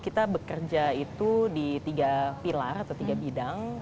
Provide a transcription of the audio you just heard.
kita bekerja itu di tiga pilar atau tiga bidang